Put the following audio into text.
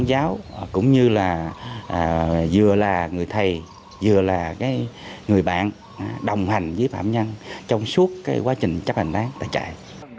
và vừa là người thầy vừa là người bạn đồng hành với phạm nhân trong suốt quá trình chấp hành tác tại trại